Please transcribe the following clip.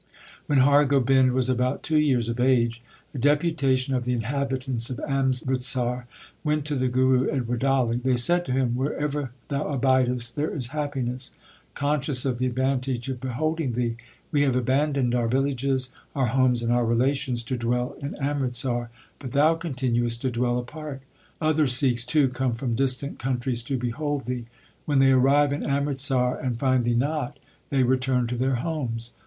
When Har Gobind was about two years of age a deputation of the inhabitants of Amritsar went to the Guru at Wadali. They said to him, Wherever thou abidest there is happiness. Conscious of the advantage of beholding thee, we have abandoned our villages, our homes, and our relations to dwell in Amritsar, but thou continuest to dwell apart. Other Sikhs too come from distant countries to behold thee. When they arrive in Amritsar and find thee not, they return to their homes.